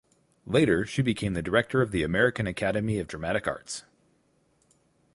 Later she became the director of the American Academy of Dramatic Arts.